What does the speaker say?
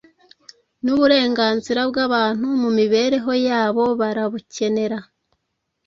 nuburenganzira bwabantu mu mibereho yabo barabukenera